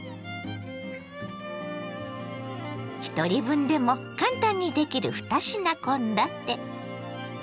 ひとり分でも簡単にできる２品献立。